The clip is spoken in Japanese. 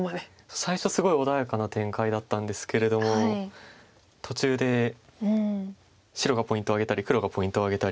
最初すごい穏やかな展開だったんですれども途中で白がポイントを挙げたり黒がポイントを挙げたり。